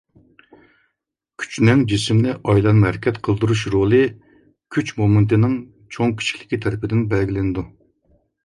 كۈچنىڭ جىسىمنى ئايلانما ھەرىكەت قىلدۇرۇش رولى كۈچ مومېنتىنىڭ چوڭ-كىچىكلىكى تەرىپىدىن بەلگىلىنىدۇ.